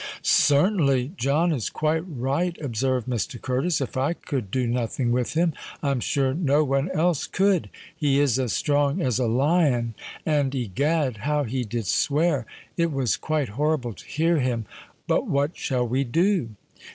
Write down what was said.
"Certainly! John is quite right," observed Mr. Curtis. "If I could do nothing with him, I'm sure no one else could. He is as strong as a lion; and, egad! how he did swear! It was quite horrible to hear him. But what shall we do?"